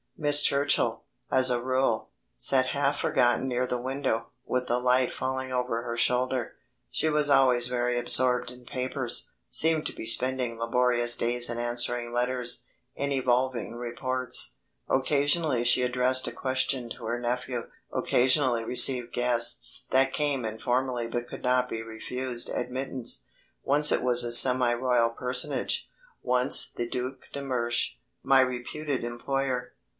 Miss Churchill, as a rule, sat half forgotten near the window, with the light falling over her shoulder. She was always very absorbed in papers; seemed to be spending laborious days in answering letters, in evolving reports. Occasionally she addressed a question to her nephew, occasionally received guests that came informally but could not be refused admittance. Once it was a semi royal personage, once the Duc de Mersch, my reputed employer.